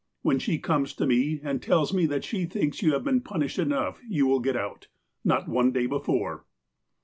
When she comes to me, and tells me that she thinks you have been punished enough, you will get out. Not one day before."